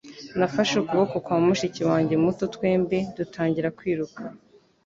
Nafashe ukuboko kwa mushiki wanjye muto twembi dutangira kwiruka